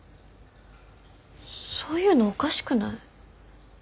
そういうのおかしくない？